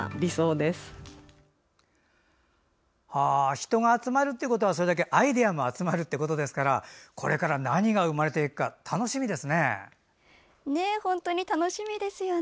人が集まるってことはそれだけアイデアも集まるということですからこれから何が生まれていくか楽しみですね。